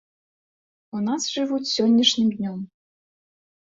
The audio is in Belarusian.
У нас жывуць сённяшнім днём.